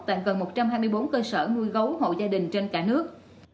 tại gần một trăm hai mươi bốn cơ sở nuôi gấu hộ gia đình trên cả nước